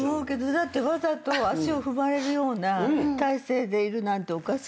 わざと足を踏まれるような体勢でいるなんておかしいでしょ。